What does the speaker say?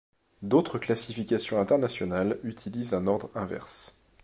D'autres classifications internationales utilisent un ordre inverse.